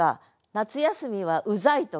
「夏休みはウザい」とか。